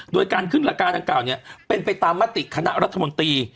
โดยการขึ้นราคาดังกล่าวเนี่ยเป็นไปตามมติคณะรัฐมนตรี